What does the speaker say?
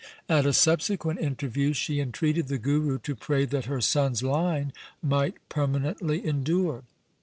At a subsequent interview she entreated the Guru to pray that her son's line might permanently endure.